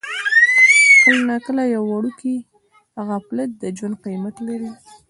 کله ناکله یو وړوکی غفلت د ژوند قیمت لري.